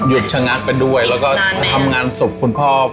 ชะงักไปด้วยแล้วก็ทำงานศพคุณพ่อ